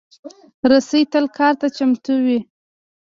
رسۍ تل کار ته چمتو وي.